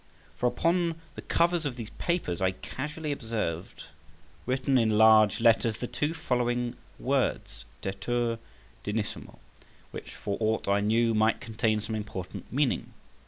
For upon the covers of these papers I casually observed written in large letters the two following words, DETUR DIGNISSIMO, which, for aught I knew, might contain some important meaning.